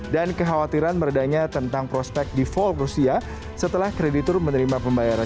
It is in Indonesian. dan kekhawatiran meredanya tentang prospek default rusia setelah kreditur menerima pembayaran